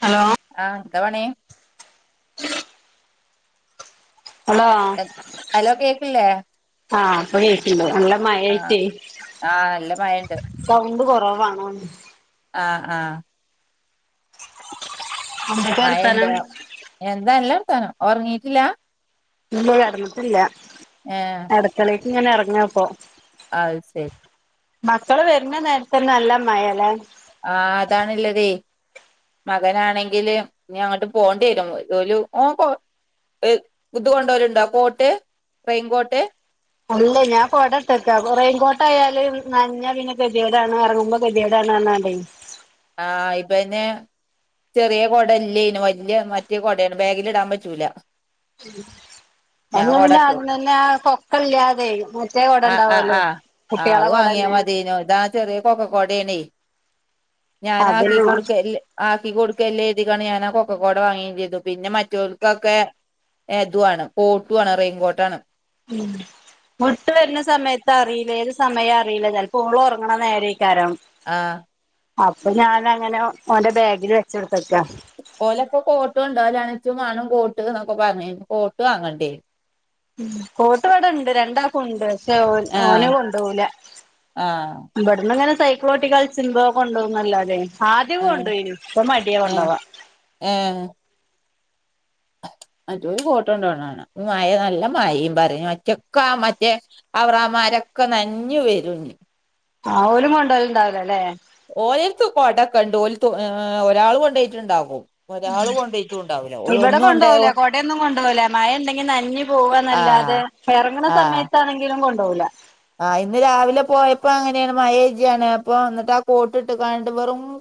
Hello. ആഹ് എന്ത് പണി. ഹലോ ഹലോ കേക്കില്ലേ ആ. പ്പോ കേക്കുണ്ടോ നല്ല മഴ ആഹ് ആയിട്ടേ ആഹ് നല്ല മഴണ്ട് സൗണ്ട് കുറവാണോന്ന്. ആ ആ. എന്തൊക്കെ വർത്താനം മഴൺണ്ടോ എന്താ നല്ലർത്തനം ഉറങ്ങിയിട്ടില്ല. ഇല്ലയ് കടന്ന്ട്ടില്ല. ആഹ് അട്ക്കളീക്ക് ഇങ്ങനെ എർങ്ങാപ്പോ. അയ് സെര്. മക്കള് വര്ന നേരത്തന്നെ നല്ല മഴല്ലെ. ആ അതാണില്ലതേ. മകനാണെങ്കില് ഇഞ്ഞി അങ്ങട്ട് പോണ്ടായരും ഓല് ഓൻ പൊ എ ഇത് കൊണ്ടോലുണ്ടോ കോട്ട് റെയിൻകോട്ട്. അല്ലേ ഞാൻ കൊടത്തക്കാ റെയിൻകോട്ടായാല് നഞ്ഞ പിന്നെകെദ്യേടാണ് അറങ്ങുമ്പോ. കേതൈടാണ് അർഞ്ഞണ്ടേയ്. ആഹ് ഇപ്പൊ അയിന്. ചെറിയ കുട അല്ലെന് വല്ല്യാ മറ്റേ കുടയാണ് ബാഗിൽ ഇടാൻ പറ്റൂല. അ ഞാൻ ഒന്ന് പിന്നെ കൊടട്ടു അങ്ങെനെ അകൊക്ക ഇല്ലാതെ മറ്റേ കൊട ഇണ്ടാവല്ലോ. കുട്ട്യെളൊക്കവ്ടെന്നെ യു നോ ദാറ്റ് ചെറ്യേ കൊക്കക്കോടെണെ. ഞാനാക്കി അതിന് കൊട്ക്കെല്ല് ആക്കി കൊട്ക്കേലേതിക്കാണ് ഞാനാ കൊക്കക്കോട വാങ്ങേം ചെയ്തു പിന്നെ മറ്റോൽക്കൊക്കെ ഏതുവാണ് കോട്ടുവാണ് റെയിൻകോട്ട് ആണ് ഉം വിട്ട് വരുന്ന സമയത്ത് അറിയില്ല ഏത് സമയം അറിയില്ല ചിലപ്പോ ഓള് ഒറങ്ങണ നേരായിക്കാരം ആഹ് അപ്പൊ ഞാന അങ്ങനെ ഓന്റെ ബാഗിൽ വെച്ചെടുത്തക്കാ ഓലൊക്ക കോട്ടും ഉണ്ടാവല അണിച്ചും മണ കോട്ട് എന്നൊക്കെ പറഞ്ഞ കോട്ട് വാങ്ങണ്ടേ ഉ കോട്ടുവിടണ്ട് രണ്ടാൾക്കുണ്ട് പക്ഷേ ആഹ് ഓന് കൊണ്ടാവൂല ആഹ് ഇബടന്നെങ്ങനെ സൈക്കളോട്ടിക്കളിച്ച്മ്പോ കൊണ്ടോവുന്നല്ലാതേ ആദ്യക്കെ ഏഹ് കൊണ്ടോയിനു ഇപ്പ മടിയ ഏഹ് കൊണ്ടവാ ഏഹ് മറ്റോര് കോട്ട് കോണ്ടോണകാണാ ഈ മയയും നല്ല മയയും പറയും മറ്റക്ക മറ്റേ അവർ ആമരൊക്കെ നനഞ്ഞ് വരും ഇഞ്ഞി അവരും കൊണ്ടായിട്ടുണ്ടാവില്ല അല്ലേ ഓയൽത്ത് കൊടക്കെണ്ട് ഓലിത്ത് ഏഹ് ഒരാള് കൊണ്ടോയിട്ടിണ്ടാവും ഒരാള് കൊണ്ടോയിട്ടു ഇവിടെ കൊണ്ടുപോല കൊടയൊന്നും കൊണ്ടുപോകില്ല മഴ ഉണ്ടെങ്കി നനഞ്ഞ പോവന്നല്ല അത് ആഹ് ഇറങ്ങണ സമയത്ത് ത്താണെങ്കിലും കൊണ്ടോവൂല്ല ആഇന്ന് രാവിലെ പോയപ്പോ അങ്ങനെയാണ് മയേജിയാണ് അപ്പൊ എന്നിട്ട് കോട്ട് ഇട്ട് കണിട്ട്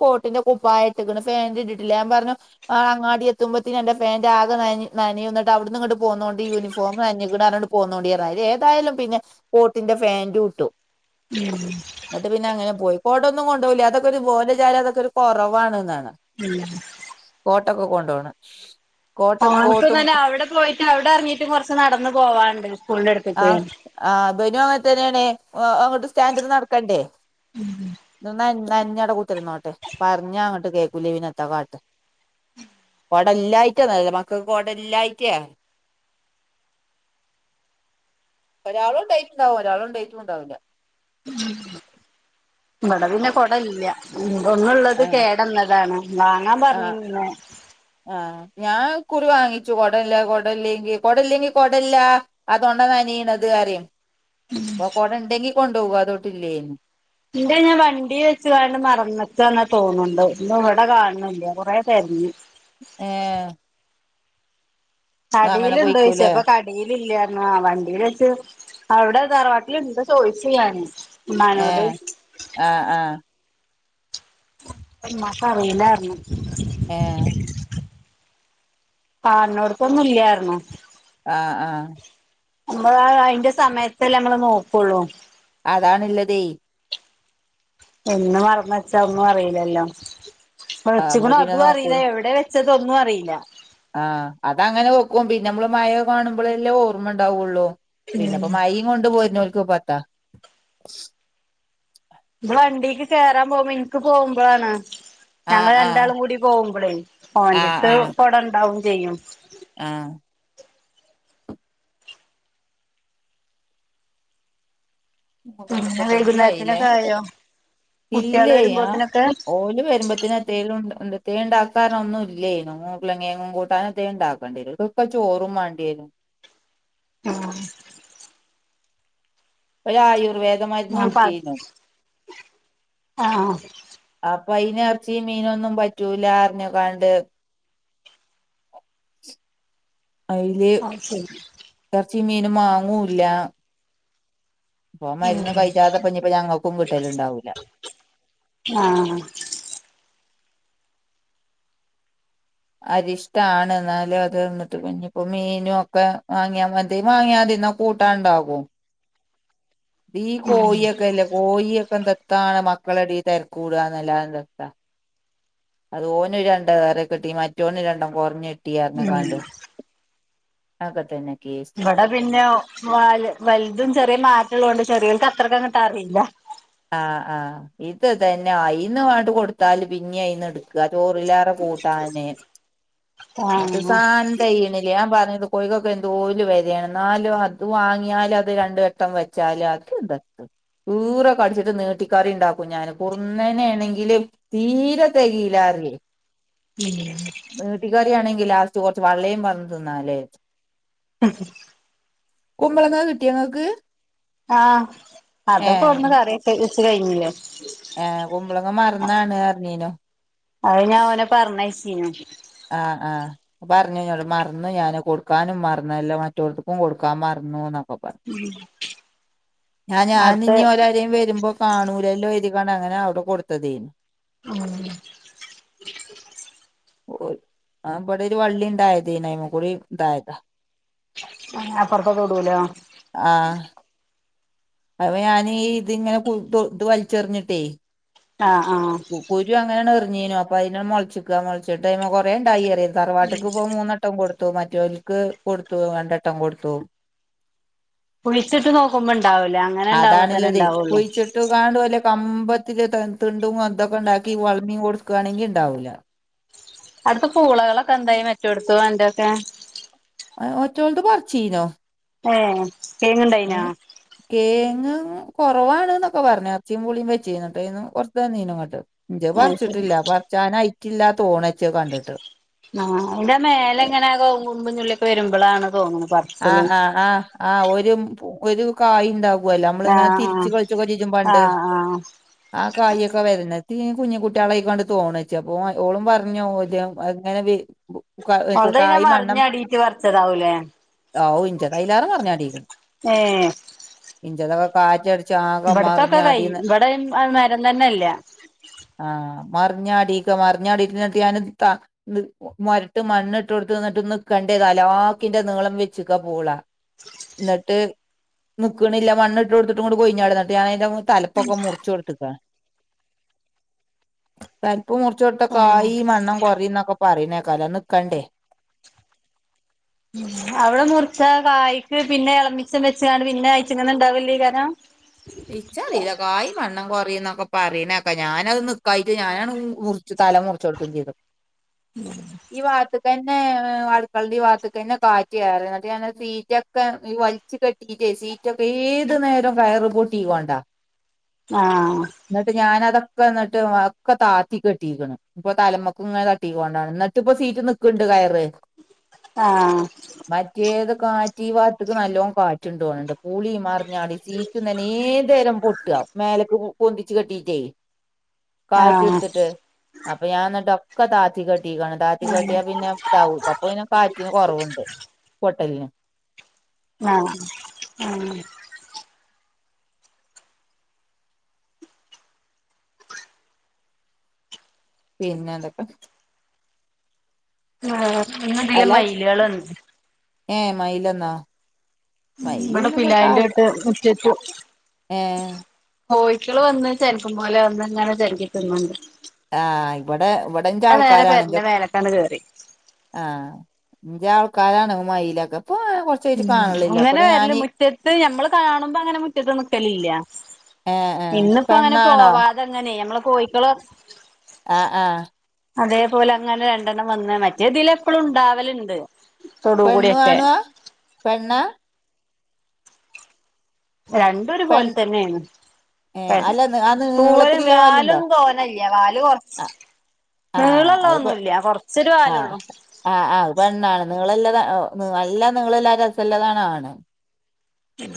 കോട്ടിന്റെ കുപ്പായത്തിക്കുടെ പ്ലാന്റ് ഇട്ടിട്ടില്ലാന്നു പറഞ്ഞു ആ അങ്ങാടി എത്തുമ്പോത്തിന് എന്റെ പാന്റാകെ നനഞ്ഞ് നനയും എന്നട്ട് അവിടുന്നിങ്ങട്ട് പോന്നോണ്ട് യൂണിഫോം നനഞ്ഞേക്കണ് പറഞ്ഞോണ്ട് പോന്നോണ്ടിയറ അയിന് ഏതായാലും പിന്നെ കോട്ടിന്റെ ഫാന്റ് കിട്ടും [unintelligible] എന്നിട്ട് പിന്നെ അങ്ങനെ പോയി കോട്ടൊന്നും കൊണ്ടു പോകില്ല അതൊക്കെ ഒരു ഓന്റെ വിചാരം അതൊക്കെ ഒരു കുറവാണ്ന്നാണ് ഉം കോട്ടൊക്കെ കൊണ്ടോണെ കോട്ട കോട്ടും ഓന്ക്കെന്നന്നെ അവിടെ പോയിട്ട് അവിടെ ഇറങ്ങീട്ടും കൊറച്ച് നടന്നു പോവാണ്ട് സ്കൂളിന്റെ അടുത്തേക്ക് ആഹ് ഇബനും അങ്ങന തന്നേണ് ആഹ് അങ്ങട്ട് സ്റ്റാൻഡിന്ന് നടക്കണ്ടേ ഉം ഇന്ന് നനഞ്‌ നനഞ്ഞവിടെ കുത്തിരുന്നോട്ടെ പറഞ്ഞ അങ്ങട്ട് കേക്കൂല പിന്നെന്താ കാട്ടാ കുടല്ല ഇല്ലായിട്ടന്നല്ല മക്കക്ക് കുടല്ലായിട്ടയാ ഒരാളു കുണ്ടോയ്ട്ടുണ്ടാവും ഒരാള് കുണ്ടോയിട്ടും ഉണ്ടാവില്ല ഇവിടെ പിന്നെ കൊട ഇല്ല ഒന്നുള്ളത് ആഹ് കേടന്നതാണ് വാങ്ങാൻ ആഹ് പറഞ്ഞിരുന്നു ഇന്ന് ആഹ് ഞാൻ ഇക്കുറി വാങ്ങിച്ചു കൊടല്ല കൊടല്ലെങ്കി കൊടല്ലെങ്കി കൊടല്ലാ അതുകൊണ്ട നനിയണത് അറയും അപ്പ കൊടെ ഇണ്ടെങ്കി കൊണ്ടോകോ അതൊട്ടില്ലേനും ഇതു ഞാൻ വണ്ടി വെച്ച കണ്ട് മറന്നച്ചന്നെ തോന്നുണ്ട് ഇന്ന ഇവിടെ കാണണില്ല കൊറേ തെരഞ്ഞു ഏഹ് കടിൽ അങ്ങനെ എണ്ടോ ചോയിച്ച പോയിക്കൂലേ അപ്പ കടേലില്ലാർന്നാ വണ്ടീല് വെച്ച് അവിടെ തറവാട്ടിലിണ്ട് ചോദിച്ച് ഞാന് ഉമ്മാനോട് ഏഹ് ആഹ് ആഹ് ഈ മാസറിയില്ലായിരുന്നു ആഹ് കാൺണോട്ത്തൊന്നും ഇല്ലാർന്നു ആഹ് ആഹ് നമ്മളാ അതിന്റെ സമയത്തെല്ലെ നമ്മള് നോക്കൊള്ളു അതാണുള്ളതേ എന്ന് മറന്ന് വെച്ചാ ഒന്നും അറിയില്ലല്ലൊ നമ്മള് വെച്ച്ക്കണ് പിന്നെ അതും നോക്കൂല അറിയില്ല എവിടേ വെ ച്ച്തൊന്നും അറില്ല ആഹ അത അങ്ങനെ വെക്കും ആ അതങ്ങനെ വെക്കുംപിന്നെ നമ്മള് മയൊക്കെ കാണുമ്പളല്ലെഓർമ്മ ണ്ടാവുള്ളൂ പിന്നെപ്പോ മ യിം ങ്ങൊണ്ട് പോരു നോൽക്ക് പത്താ ഇവള്ബണ്ടിക്ക് കേറാൻ പോകുമ്പനിക്ക് പോകുമ്പളാണ് ആഹ് ഞങ്ങള് ആഹ് രണ്ടാളും കൂടി പോകുമ്പളേ ഓൻ്റെ ആഹ് ആഹ് ർത്ത്കുട ഇണ്ടാവും ചെയ്യും ആഹ് പിന്നെ ഒന്നേമുപ്പത്തഞ്ചു ആയില്ലേ വൈകുന്നേരത്തിനൊക്കെ ആയോ കുട്ടികള് ഇല്ലെ അ വരുമ്പോത്തിനൊക്കെ ഓല് വരുമ്പോത്ത് ന തേലുണ്ടാ തേ ഇണ്ടാക്കാനൊന്നു ല്ലേയ്നു ഉർളകേങ്ങും കൂട്ടാനെ തേ ഇണ്ടാക്കേണ്ടിരും ഓൽക്ക് പ്പചോറും മാണ്ടിയേ നും ആ ഒരായുർവേദമാര് ആ പ ന്നുടിിച്ച്യുന്നു ആ ആഹ് അപ്പയിന് എറച്ചി മീനൊന്നും പറ്റൂല ർഞ്ഞ് കാണ്ട് അയ്ല് അത് ശരി എറച്ചി മീനും മാങ്ങൂല്ല ഒൻമരുന്ന് കഴിച്ചാത്തെ ഞ്ഞ് പ്പഞ്ഞിപ്പ ഞങ്ങക്കും കിട്ട ലു ണ്ടാകുല ആ അരിഷ്ടാണ് ഇന്നാലുഅത് നിട്ട് ഞ്ഞ് പ്പോ മീനു ഒക്കെ മാങ്ങിയാ മതി മാങ്ങ്യാ മതി ന്നഒ കൂട്ടാണ്ടാകും ഈ കോഴിയൊക്കെ ല്ലേ കോഴിയൊക്കെ ദെത്താണ് മക്കളെടെ തെരകൂടാന്നല്ലാതെ ദെത്ത. അത് ഓന രണ്ടം ഏറെ കിട്ടി മറ്റോ നൊ രണ്ട് കുറഞ്ഞി ട്ടിയർ ഞ്ഞ് ഉം കാണ്ട്അക്കെത്തന്നെ കേസ് ഇവിടെ പിന്നെ വലു വലുതും ചെറിയ മാറ്റള്ളത് കൊണ്ട് ചെറിയോൾക്കത്ര തന്നിട്ട് അറിയില്ല ആ ആ ഇത് തന്നെ അയിന്ന് ആണ്ട് കൊടുത്താല് പിന്നിഅയിന്ന് ഇട്ക്ക ചോറിലാറെ കൂട്ടാന് എന്നട്ട് ആ സാൻ ത്യണില്ല ഞാ പറഞ്ഞത് തെയ് തെയ്ണില്ല ഞാൻ പ റഞ്ഞികൊഴികൊക്കെ ന്തോലു വെല യാണ് ഇന്നാലും അത് വാങ്ങിയാലും അത് രണ്ട വെട്ടം വെ' ചാ ല്യാർക് ദത്ത് ദൂറെ കടിച്ചിട്ട് നീട്ടിക്കറി ണ്ടാക്കു ഞാാന് കുറന്നനെ ണങ്കില് തീരെ തേയിലാറേ നീട്ടിക്കറിയാണെങ്കിൽ ലാസ്റ്റ് കൊറച്ച് െവള്ളേങ്കിലും പാർന്ന് തിന്നലേ ജാർച്ച് തിന്ന കുമ്പളങ്ങാ കിട്ടിയോങ്ങക്ക് ആഹ അതൊക്കൊട്ന്ന് കറിയ വച്ച് കഴിഞ്ഞില്ല ഏ കുമ്പളങ്ങ മറന്നാണ് അർഞ്ഞിനു അഅ് ഞാ ഓനെ പറഞ്ഞയ് ചീനു ആ ആ പറഞ്ഞിന്നോട് മറന്നു ഞാന് കൊടുക്കാനും മറന്നല്ലോ മറ്റോട്ത്ത്ക്കും കൊടുക്കാൻ മറന്നു ന്നൊക്കെ പറഞ്ഞു ഞാ ഞാൻ അടുത്ത ഇഞ്ഞി ഓരാരെയും വരുമ്പോ കാണൂലല്ലോ കര്തിക്കാണ്ട് അങ്ങനെ ഔടെ കൊടുത്ത തെയ്ന് ഓ ആ ബട രു വള്ളി ണ്ടായ തൈനി അയ്മ കൂടി ഇന്തായതാ ഹേ അപ്രത്ത തോടൂലോ ആഹ് അത് പ്പ ഞാനീ ഇതി ങ്ങനെ കുരു ഇത് വലിച്ചെറിഞ്ഞിട്ടേ ആ ആ കുരു അങ്ങനൊണ് എറിഞ്ഞീനു അപ്പ അയിന മൊൾച്ചിക്ക മുളിച്ചിട്ടയ്മെ കൊറേണ്ടായി അറിയാ തറവാട്ട്ക്ക് പ്പോ മൂന്ന ട്ടം കൊടുത്തു മറ്റോൽക്ക് കൊടുത്തു രണ്ടട്ടം കൊടുത്തു കുയിച്ചിട്ട് നോക്കുമ്പോ ണ്ടാവൂലാ അതാണല്ലത് കുഴിച്ചി ഇട്ട കാണ്ട് വല്ല കമ്പത്തില് തിണ്ടും അതൊക്കെ ഉണ്ടാക്കി വളമി കൊടുക്കുയാണെങ്കി ഉണ്ടാവൂല. അവ്ട്ത്ത പൂളകളൊക്കെ എന്തായി മറ്റൊടുത്തും അന്റൊക്കെ? ഒറ്റോൽത് പറിച്ചീനോ? ഏ കേങ്ങ്ണ്ടെയ് നാ? കേയ്ങ്ങ് കൊറവാണ് ന്നൊക്കെ പറഞ്ഞ്. അർച്ചും പൂളീം വെചീനി. ഇങ്ങട്ട് അയ്‌ന്നു കൊറച്ച് തന്നീനു ഇങ്ങോട്ട്. ഇന്റത് അത് പർച്ച്ട്ട് ശരി ല്യ പറച്ചാനയിറ്റില്ല തോണ്- ആഹ് അയ്‌ന്റെ മേലെ ഇങ്ങനെ, കൂർമ്പും ചുള്ളിയൊക്കെ വരുമ്പളാണ് തോന്ന്‌ന്നണത്. ആഹ് ആ ആ. ആ ഒരു പ് ഒരു കായി ഉണ്ടാകും. വല്ല. നമ്മള് ഇങ്ങനെ ആഹ് തിരിച്ച് കളിച്ച് [unintelligible] ആഹ് മ്പണ്ട്. ആഹ് ആഹ് ആ കായൊക്കെ വരുന്ന്‌. തീ കുഞ്ഞു കുട്ടികളായിക്കൊണ്ട് തോണ വച്ച. അപ്പോ അവ ഓളും പറഞ്ഞോ ഇ അങ്ങനെ. [inaudible] അത് അയ്‌ന് കായ് മറഞ് അടീട്ട് പറച്ചതാവുലേ? ആവു ന്റെ കയ് [unintelligible] മറഞ്ഞാടീണ്. ഏ. [unintelligible] കാറ്റടി ഇവിടത്തൊക്കെ കയ്യും ഇവിടെനെരം തന്നെല്ല. ആഹ് മറിഞ്ഞാടീക്ക മറിഞ്ഞാടീട്ട് നിട്ടു ഞാൻ ഇ താ മൊരട്ട് മണ്ണിട്ട് കൊടുത്ത് ന്നട്ട് നിക്കണ്ടേ. അലാക്കിന്റെ നീളം വെച്ച്ക്ക പൂള. ന്നട്ട്, നിക്ക്ണില്ല. മണ്ണിട്ട്ടുട്ടും കൊയ്ഞാടാണ്, ഇങ്ങട്ട് ഞാൻ അയ്‌ന്റെ തലപ്പൊക്കെ മുറിച്ച് കൊടുത്ത്ക്ക. [unintelligible] ആഹ് ചോട്ടക്കായി മണ്ണം കൊറിംന്നൊക്കെ പറയുന്നെക്കാല്ലോ, നിക്കണ്ടേ. അവിടെ മുറിച്ച കായ്ക്ക്. പിന്നെ എളമിച്ചം വെച്ച്കാൻണ്ട് പിന്നെ അയച്ച്ങ്ങന്ന്‌ ഉണ്ടാവലേക്കാരം. ഇച്ചറീല കായ് വണ്ണം കൊറിംന്നൊക്കെ പറിണെക്കാ ഞാന് അഹ് നിക്കാഞ്ഞിട്ട് ഞാനാഹ് മുർ ച്ച് തല മുറിചൊടുക്കും ചെയ്ത്. [unintelligible] ഈ പാത്ത്ക്കന്നെ അടുക്കളന്റെ ഈ പാത്ത്ക്കന്നെ കാറ്റ് കേറ. ന്നട്ട് ഞാന് ആ സീറ്റ ക്ക ഈ വലിച്ചു കെട്ടിട്ടേ സീറ്റൊക്കെ, ഏത് നേരം കയറ് പൊട്ടികോണ്ട. ആഹ. ന്നിട്ട് ഞാന അതൊക്കെ ന്നിട്ട്, ഒക്കെ താത്തി കെട്ടീക്ക്ണ്. ഇപ്പൊ തലമക്കും ഇങ്ങനെ തട്ടീ കൂണ്ടാണ്. ന്നട്ട് ഇപ്പോ സീറ്റ് നിക്ക്ണ്ട് കയറ്. ആഹ് മറ്റേത് കാറ്റ് ഈ പാത്ത്ക്ക് നല്ലോം കാറ്റ്ണ്ട് പോണണ്ട്. പൂളി മറിഞ്ഞാടി സീറ്റ നേത് രം പൊട്ട്അ മേൽക്ക് പൊന്തിച്ചു കെട്ടീട്ടേ ആഹ് കാറ്റെടുത്തിട്ട്. അപ്പൊ ഞാൻ എന്നിട്ട് ഒക്കെ താത്തി കെട്ടിക്കാണ്. താത്തി കെട്ടിയാ പിന്നെ, ഇതാവും അപ്പൊ പിന്നെ കാറ്റിന് കുറവുണ്ട് പൊട്ടലിന്. മ അഹ് പിന്നെന്തൊക്കെ? ആ ഇന്ന് തിലെ അല്ല മയിലകള് വന്ന്. ഏ മയില് വന്നാ. മയില് ഇവിടെ പിന്നെവടത്തെ ആൾക്കാ പിലായിന്റെട്ട് ആ. കോയിക്കള് വന്ന് ചെൽക്കുംപോലെ, വന്ന്ങ്ങനെ ചൽക്കി തിന്നൊണ്ട്. ആഹ് ഇവടെ ഇവിടേം ഇന്റെ നേരെ ആൾക്കാരാണെന്റെ, പെരന്റെ മേലക്കാണ്ട് കേറി ആഹ് ന്റെ ആൾക്കാരാണ് മയിലൊക്കെ പൊയ ഉം അങ്ങനെ വരല്, മുറ്റത്ത് ഞമ്മള് കാണുമ്പോ അങ്ങനെ മുറ്റത്ത് നിക്കല് ല്യ. ഏ ഏ ഇന്നിപ്പോ അങ്ങനെ പെണ്ണാണോ പോവാതെങ്ങനെ. ഞമ്മള് കോയിക്കള്, ആഹ് ആ. അതേപോലെ അങ്ങനെ രണ്ടെണ്ണം വന്ന്. മറ്റേതില് എപ്പളും ഉണ്ടാവല്ണ്ട്. പെണ്ണും ആണുവാ? പെണ്ണാ? രണ്ടും ഒരു പെൺ പോലെ തന്നെയാണ് ഏ അല്ല നി- ആ [inaudible] പൂവലും നീളത്തിലുള്ള വാലുണ്ടോ വാലൊന്നും തോന്നല്ല വാല് കൊറച്ച് ആഹ് ആഹ് നീളവുള്ള അത് പെ ഒന്നുമില്ല കൊറച്ചൊരു ആഹ് കാലുള്ളൂ ആഹ് ആഹ് അഹ് പെണ്ണാണ് നീളള്ള താ അഹ് നല്ല നീളല്ലാ രസല്ലാതാണ് ആണ് ഉ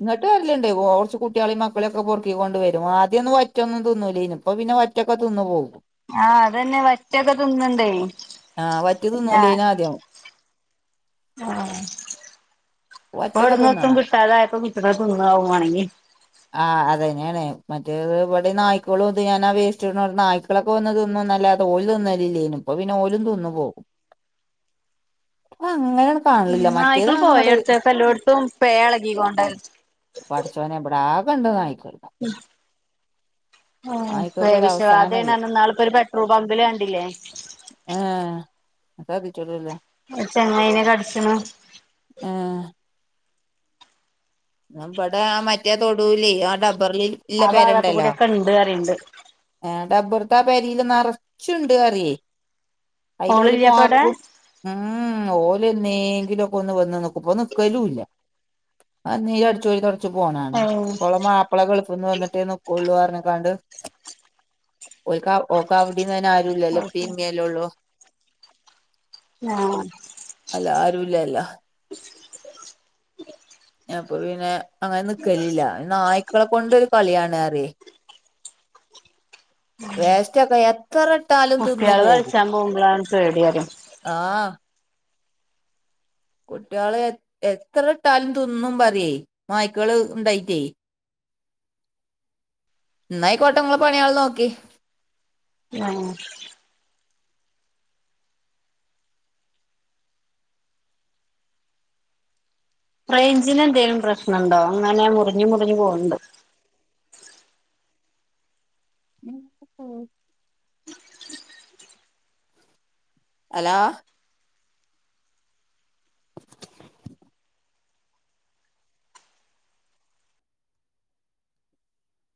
ഇങ്ങട്ട് വരല്ണ്ട് കൊറ്ച്ച് കുട്ട്യാളിം മക്കളെ യൊക്കെ പെറുക്കിക്കൊണ്ട് വരും ആദ്യം ഒന്നും വറ്റൊന്നും തിന്നു ല്ലേയ്ന്നു ഇപ്പ പിന്നെ വ റ്റെക്കെ തിന്ന് പോകും ആഹ് അതന്നെ വറ്റൊക്കെ തിന്ന്ണ്ടേ ആഹ് വറ്റ് തിന്നൂല്ലേ നി ആദ്യം ആഹ് ഇപ്പ വറ്റൊക്കെ എവിട്ന്ന്ത്തും തിന്ന്ണ കിട്ടാതെ അയപ്പോ കിട്ടുന്നിടത്ത് തിന്നാവും വേണേങ്കി ആഹ് അതന്നെയാണ് മറ്റേത് ഇവിടെ നായ്ക്കളും ഇത് ഞാനാ വേസ്റ്റ് ഇടു ണേ നായ് മക്കളൊക്കെ വന്ന് തിന്നും അല്ലാതെ ഓല് തിന്നലില്ലേനും ഇപ്പൊ പിന്നെ ഓലും തിന്ന് പോകും ആഹ് ഇങ്ങളട് നായക്കൾ പോയ എടുത്ത് കല്ലോട്ത്തും പേയളകി കൊണ്ട പടച്ചോനെ ഇവിടെ ആകെണ്ട് നായിക്ക ഉ ഏഹ് നായ്ക്കക്ക് ഒരു പേവിഷവാദേണ് അവസാനല്ല റ്ഞ്ഞ് ഇന്നാളിപ്പോ ഒരു പെട്രോൾ പമ്പി ല് കണ്ടില്ലേ ആഹ് എത്താ സിറ്റൗട്ട് ള്ളെ ഒര് ചങ്ങായിനെ കടിച്ച് ണ് ഏഹ് നാ പ്പടെ ആ മറ്റേ തൊടുലി ആ ഡബ്ബറിൽ ഇല്ല ആ ഭാഗത്ത് പേരണ്ടല്ലോ കൂടിയൊക്കെ ഇണ്ട് പറയ്ണ്ട് എഹ് ഡബർത്ത ആ പേരയില് നറ്ച്ചുണ്ട് അറിയേ അയില് ഓല് ഓളില്ലേപ്പവ്ടെ പാർക്കും ഉം ഓലെന്നെങ്കിലുംലൊക്കെ ഒന്ന് വന്ന് നിക്കും ഇപ്പ ഒന്ന് നിക്കലുമില്ല ആ നീര അടിച്ചൂരി തുടച്ചുപോന്നകാണാം ഏഹ് കൊള മാ പ്പള ഗൾഫിന്ന് വന്നിട്ടേ നിക്കുള്ളൂ റ്ഞ്ഞ് കാണ്ട് ഓൽക്കാ ഓക്ക് അവിടിം തന്നെ ആ രൂല്ലല്ലെ ഇപ്പിം ഇമ്മിം അല്ലേ ള്ളൂ ആഹ അല്ല ആരുല്ലല്ല [unintelligible] പ്പം ഓല് പിന്നെ അങ്ങനെ നിക്കലില്ല നായ്ക്കളെ കൊണ്ടൊരു കളിയാണ് അറി വേസ്റ്റ് ഒക്കെ എത്ര ഇട്ടാലും തിന്നു കുട്ട്യാള് പോകും കളിച്ചാൻ പോകുമ്പളാണ് പേടി പറയും ആഹ് കുട്ടികള് എത്ര ഇട്ടാലും തിന്നും പറയേ നായ്ക്കള് ഉണ്ടായിറ്റേ ഇന്നാ യിക്കോട്ടെ ങ്ങളെ പണിയാള് നോക്കി [unintelligible] റേഞ്ചിന് എന്തേലും പ്രശ്നമുണ്ടോ അങ്ങനെ മുറിഞ്ഞു മുറിഞ്ഞു പോന്നുണ്ട് ഞാ പ്പം പോവും അലോ